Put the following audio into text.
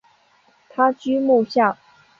他居墓下。